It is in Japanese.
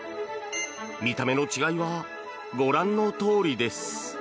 見た目の違いはご覧のとおりです。